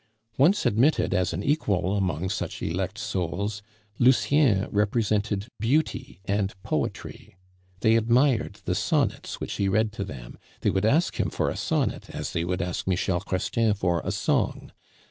Once admitted as an equal among such elect souls, Lucien represented beauty and poetry. They admired the sonnets which he read to them; they would ask him for a sonnet as he would ask Michel Chrestien for a song.